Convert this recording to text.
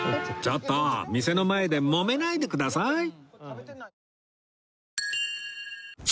ちょっと店の前でもめないでください